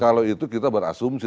kalau itu kita berasumsi